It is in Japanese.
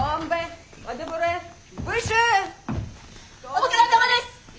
お疲れさまです！